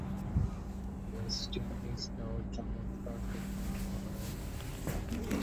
West Indies দল চমৎকার সূচনা করে।